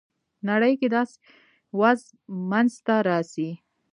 نړۍ کې داسې وضع منځته راسي.